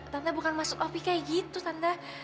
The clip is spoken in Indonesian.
tanda bukan masuk kopi kayak gitu tanda